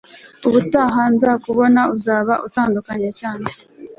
ubutaha nzakubona, uzaba utandukanye cyane